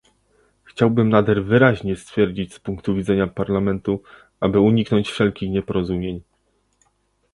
Chciałbym nader wyraźnie stwierdzić z punktu widzenia Parlamentu, aby uniknąć wszelkich nieporozumień